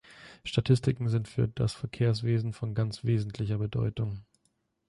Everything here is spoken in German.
Statistiken sind für das Verkehrswesen von ganz wesentlicher Bedeutung.